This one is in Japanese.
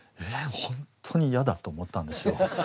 ほんとにやだと思ったんですよ。